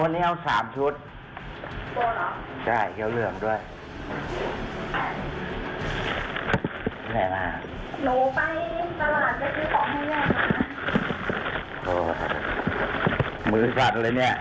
นานเหรอ